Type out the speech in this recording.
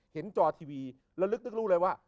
เห็นจอทีวีแล้วลึกนึกรู้เลยว่า